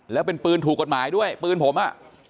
แล้วเป็นปืนถูกกฎหมายด้วยปืนผมอ่ะ